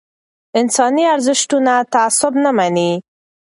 انساني ارزښتونه تعصب نه مني